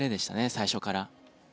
最初から。